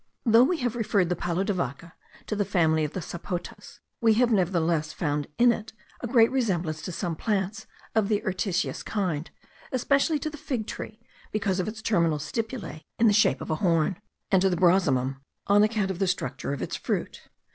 Though we have referred the palo de vaca to the family of the sapotas, we have nevertheless found in it a great resemblance to some plants of the urticeous kind, especially to the fig tree, because of its terminal stipulae in the shape of a horn; and to the brosimum, on account of the structure of its fruit.